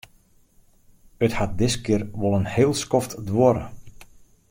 It hat diskear wol in heel skoft duorre.